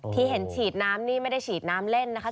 ที่เห็นฉีดน้ำนี่ไม่ได้ฉีดน้ำเล่นนะคะ